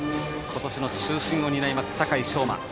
今年の中心を担います酒井成真。